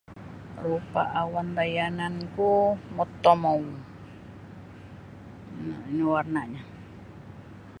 Rupa' awan da yananku motomou. Ino warna'nyo.